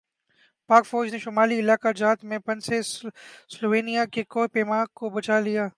پاک فوج نے شمالی علاقہ جات میں پھنسے سلوینیا کے کوہ پیما کو بچالیا